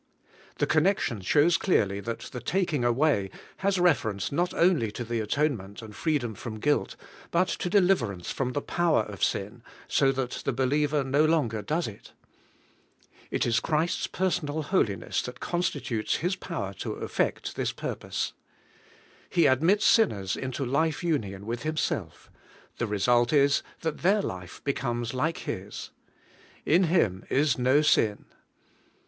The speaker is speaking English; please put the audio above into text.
The connection shows clearly that the taking away has reference not only to the atonement and freedom from guilt, but to de liverance from the power of sin, so that the believer no longer does it. It is Christ's personal holiness that constitutes His power to effect this purpose. He admits sinners into life union with Himself; the result is, that their life becomes like His. 'In Him is no sin.